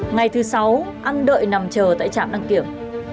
ngày thứ sáu ăn đợi nằm chờ tại trạm đăng kiểm